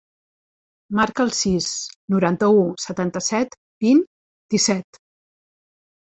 Marca el sis, noranta-u, setanta-set, vint, disset.